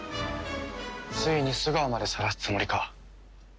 ついに素顔までさらすつもりか？